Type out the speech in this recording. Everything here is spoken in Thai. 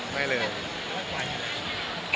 ไม่เลยครับ